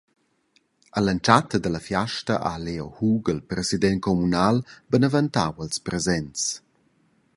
All’entschatta dalla fiasta ha Leo Hug, il president communal, beneventau ils presents.